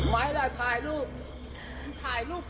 ไว้ล่ะถ่ายรูป